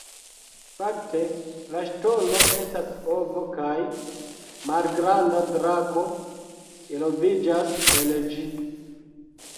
Fakte la ŝtono estas ovo kaj malgranda drako eloviĝas el ĝi.